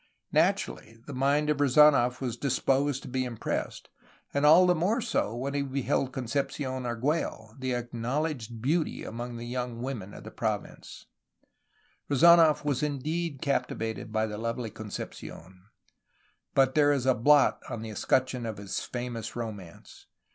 Naturally, the mind of Rezanof was disposed to be impressed, and all the more so when he beheld Concepci6n Argiiello, the acknowledged beauty among the young women of the province. 414 A HISTORY OF CALIFORNIA Rezdnof was indeed captivated by the lovely Concepci6n. But there is a blot on the escutcheon of this famous romance.